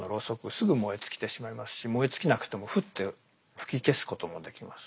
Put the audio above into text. すぐ燃え尽きてしまいますし燃え尽きなくてもフッて吹き消すこともできます。